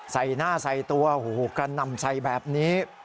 ใส่หน้าใส่ตัวการนำใส่แบบนี้